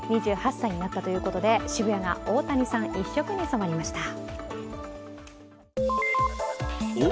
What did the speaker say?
２８歳になったということで、渋谷が大谷さん一色に染まりました。